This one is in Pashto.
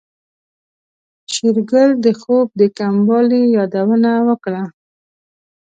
شېرګل د خوب د کموالي يادونه وکړه.